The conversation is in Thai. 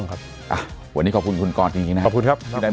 อ่ะวันนี้ขอบคุณคุณกรจริงนะครับ